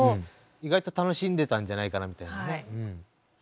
意外と楽しんでたんじゃないかなみたいなね。